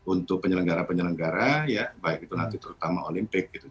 untuk penyelenggara penyelenggara ya baik itu nanti terutama olimpik gitu